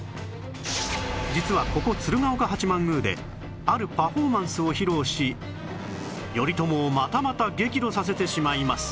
実はここ鶴岡八幡宮であるパフォーマンスを披露し頼朝をまたまた激怒させてしまいます